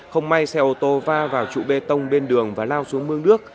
không may xe ô tô va vào trụ bê tông bên đường và lao xuống mương nước